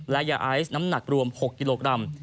และยาไอซ์น้ำหนักรวม๖กิโลกรัม